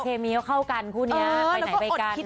เคมีก็เข้ากันคู่นี้ไปไหนไปกัน